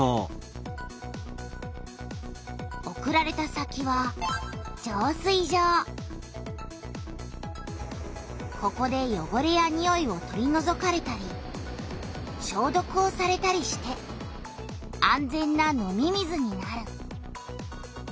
送られた先はここでよごれやにおいを取りのぞかれたりしょうどくをされたりして安全な飲み水になる。